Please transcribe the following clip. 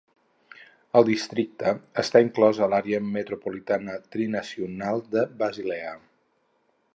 El districte està inclòs en l'àrea metropolitana trinacional de Basilea.